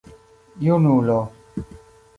junulo